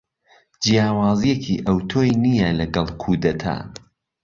جیاوازیەکی ئەتۆی نییە لەگەل کودەتا.